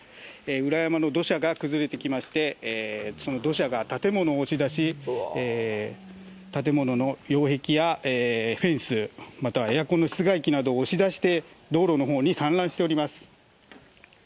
裏山の土砂が崩れてきまして、その土砂が建物を押し出し、建物の擁壁やフェンス、またはえあこんのしつがいきなどを押し出して、道路のほうに散乱しております。